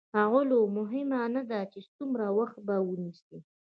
ښاغلو مهمه نه ده چې څومره وخت به ونيسي.